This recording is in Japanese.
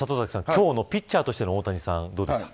今日のピッチャーとしての大谷さんはどうですか。